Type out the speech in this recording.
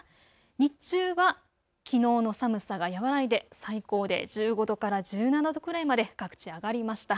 日中はきのうの寒さが和らいで最高で１５度から１７度くらいまで各地上がりました。